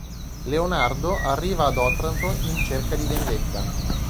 Leonardo arriva ad Otranto in cerca di vendetta.